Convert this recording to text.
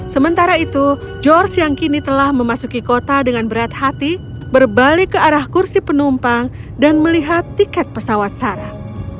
sementara itu george yang kini telah memasuki kota dengan berat hati berbalik ke arah kursi penumpang dan melihat tiket pesawat sarah